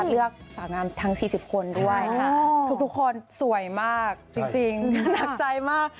เลือกสาวงามทั้ง๔๐คนด้วยค่ะทุกคนสวยมากจริงหนักใจมาก